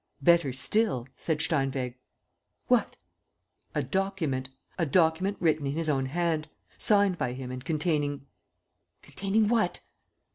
"Better still," said Steinweg. "What?" "A document, a document written in his own hand, signed by him and containing ..." "Containing what?"